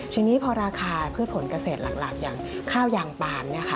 ทีนี้พอราคาพืชผลเกษตรหลักอย่างข้าวยางปาม